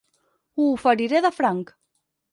Ho oferiré de franc.